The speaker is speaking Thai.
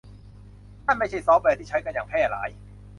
นั่นไม่ใช่ซอฟต์แวร์ที่ใช้กันอย่างแพร่หลาย